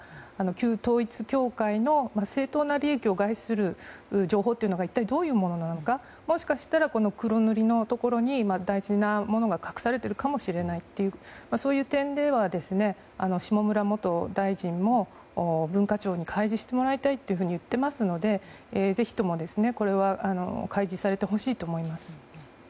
旧統一教会の正当な利益を害する情報というのが一体どういうものなのかもしかしたら黒塗りのところに大事なものが隠されているかもしれないというそういう点では下村元大臣も文化庁に開示してもらいたいと言っていますのでぜひとも、これは開示されてほしいと思います。